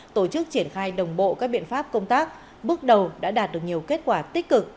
tổ chức triển khai đồng bộ các biện pháp công tác bước đầu đã đạt được nhiều kết quả tích cực